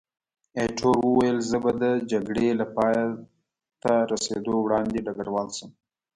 ایټور وویل، زه به د جګړې له پایته رسېدو وړاندې ډګروال شم.